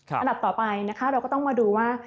อันดับต่อไปนะคะเราก็ต้องมาดูว่า